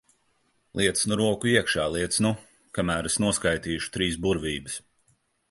Liec nu roku iekšā, liec nu! Kamēr es noskaitīšu trīs burvības.